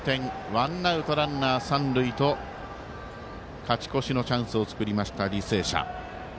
ワンアウト、ランナー三塁と勝ち越しのチャンスを作りました履正社。